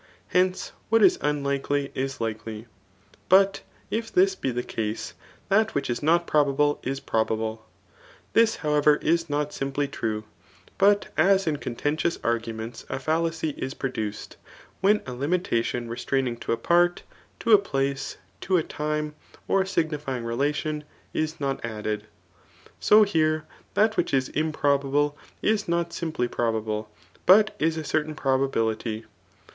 Hence, what is unlikely is likely. But if this be the case, that which is not probable is probable. This, however, is not simply true ; but as in. contendotts arguments a £aJlacy is produced, when a li mitation resoainiog to a part, to a places to time, or sig« nifying relation, is not added ; so here that which is im probable is not dmply probable, but is a certain proba bility.